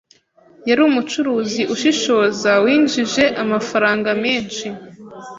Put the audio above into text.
yari umucuruzi ushishoza winjije amafaranga menshi.